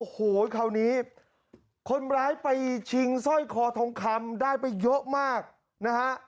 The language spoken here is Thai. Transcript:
โอ้โหคราวนี้คนร้ายไปชิงสร้อยคอทองคำได้ไปเยอะมากนะฮะ